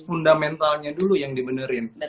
fundamentalnya dulu yang dibenerin